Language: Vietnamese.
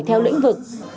theo lĩnh vực